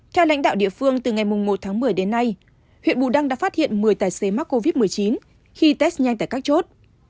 theo lãnh đạo địa phương từ ngày một tháng một mươi đến nay huyện bù đăng đã phát hiện một mươi tài xế mắc covid một mươi chín khi test nhanh tại các chốt